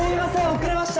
遅れました